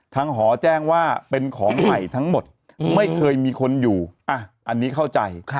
หอแจ้งว่าเป็นของใหม่ทั้งหมดไม่เคยมีคนอยู่อันนี้เข้าใจ